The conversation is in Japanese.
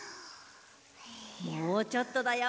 もうちょっとだよ。